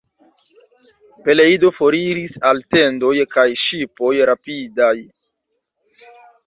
Peleido foriris al tendoj kaj ŝipoj rapidaj.